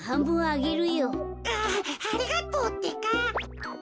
ありがとうってか。